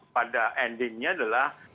pada endingnya adalah